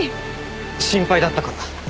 心配だったから。